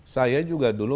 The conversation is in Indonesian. saya juga dulu